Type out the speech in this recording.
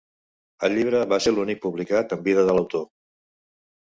El llibre va ser l'únic publicat en vida de l'autor.